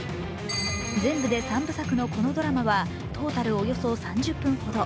全部で３部作のこのドラマはトータルおよそ３０分ほど。